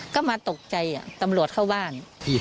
ก็มาตกใจตำรวจเข้าบ้าน